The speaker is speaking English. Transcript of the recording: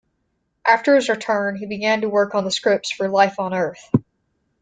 After his return, he began to work on the scripts for "Life on Earth".